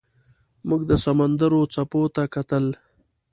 موږ د سمندر څپو ته کتل.